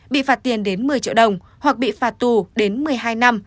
bị phạt tiền đến một mươi triệu đồng hoặc bị phạt tù đến một mươi hai năm